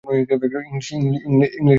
English, তুমি কি নিশ্চিত যে, এরকমই?